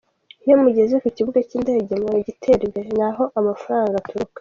Iyo mugeze ku Kibuga cy’indege mubona gitera imbere, ni aho amafaranga aturuka.